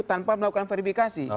tanpa melakukan verifikasi